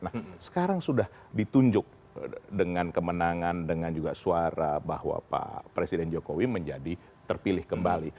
nah sekarang sudah ditunjuk dengan kemenangan dengan juga suara bahwa pak presiden jokowi menjadi terpilih kembali